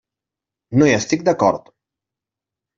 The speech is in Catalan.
No hi estic d'acord.